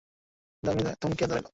দামিনী থমকিয়া দাঁড়াইল।